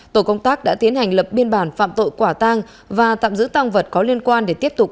tổ công tác đã tiến hành lập biên bản phạm tội quả tang và tạm giữ tăng vật có liên quan để tiếp tục